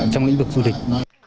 trong lĩnh vực du lịch